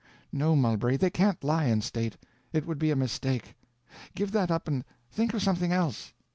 No, Mulberry, they can't lie in state—it would be a mistake. Give that up and think of something else."